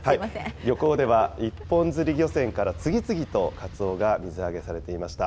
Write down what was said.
漁港では一本釣り漁船から次々とカツオが水揚げされていました。